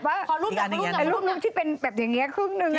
ถ้ารูปนึงที่เป็นแบบอย่างเงี้ยครึ่งนึง